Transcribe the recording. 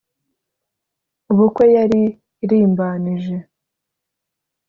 ubukwe yari irimbanije